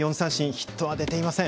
ヒットは出ていません。